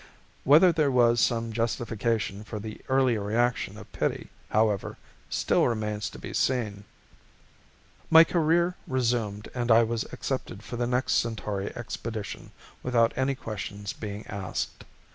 Whether there was some justification for the earlier reaction of pity, however, still remains to be seen. My career resumed and I was accepted for the next Centauri Expedition without any questions being asked.